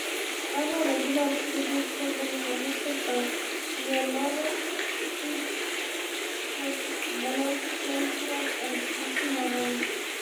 Other regularly scheduled programs were hosted by Leonora Schildkraut, Werner Klemperer, and Gussie Moran.